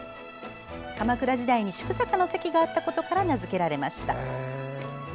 鎌倉時代に宿坂の関があったことから名付けられました。